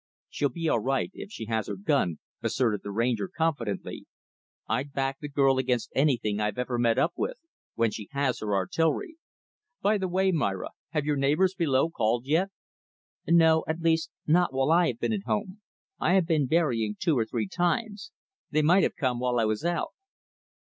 "She'll be all right if she has her gun," asserted the Ranger, confidently. "I'd back the girl against anything I ever met up with when she has her artillery. By the way, Myra, have your neighbors below called yet?" "No at least, not while I have been at home. I have been berrying, two or three times. They might have come while I was out."